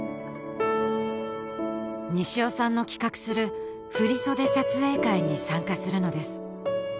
西尾さんの企画する振り袖撮影会に参加するのです